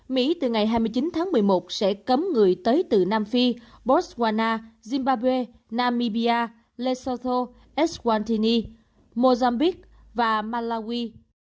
mỹ từ ngày hai mươi chín tháng một mươi một sẽ cấm người tới từ nam phi botswana zimbabwe namibia lesotho eswatini mozambique và malawi